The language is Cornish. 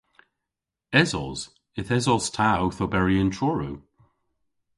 Esos. Yth esos ta owth oberi yn Truru.